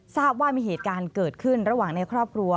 ทราบว่ามีเหตุการณ์เกิดขึ้นระหว่างในครอบครัว